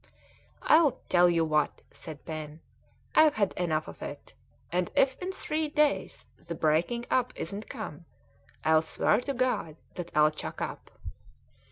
"I'll tell you what," said Pen, "I've had enough of it, and if in three days the breaking up isn't come, I'll swear to God that I'll chuck up!"